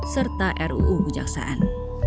serta ruu kejaksaan